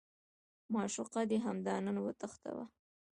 معشوقه دې همدا نن وتښتوه.